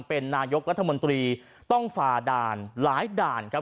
เป็นนายกรัฐมนตรีต้องฝ่าด่านหลายด่านครับ